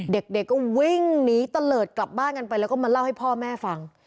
เด็กก็วิ่งหนีตะเลิศกลับบ้านกันไปแล้วก็มาเล่าให้พ่อแม่ฟัง